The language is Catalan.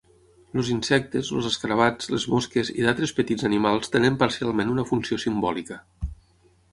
Els insectes, els escarabats, les mosques i d'altres petits animals tenen parcialment una funció simbòlica.